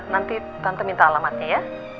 nanti tante minta alamatnya ya